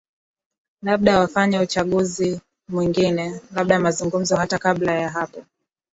labda wafanye uchaguzi mwingine labda mazungumzo hata kabla ya hapo